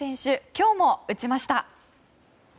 今日も打ちました。